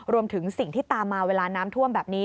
รวมถึงสิ่งที่ตามมาเวลาน้ำท่วมแบบนี้